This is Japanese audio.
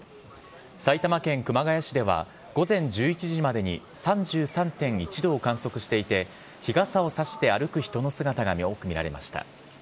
埼玉県熊谷市では午前１１時までに３３．１度を観測していて、日傘を差して歩く人の姿が多く見られました。